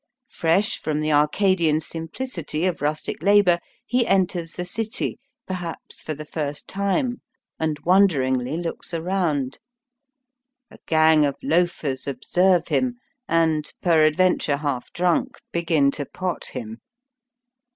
Fresh from the arcadian simplicity of rustic labour, he enters the city, perhaps for the first time, and wonderingly looks around. A gang of loafers observe him, and, peradventure half drunk, begin to pot him.